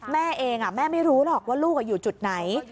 แม่เองแม่ไม่รู้หรอกว่าลูกอยู่จุดไหน